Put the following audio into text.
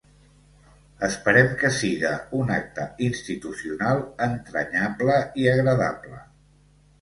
Esperem que siga un acte institucional entranyable i agradable.